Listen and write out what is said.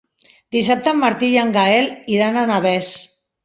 Dissabte en Martí i en Gaël iran a Navès.